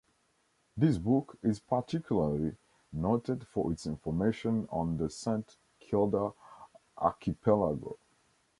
This book is particularly noted for its information on the Saint Kilda archipelago.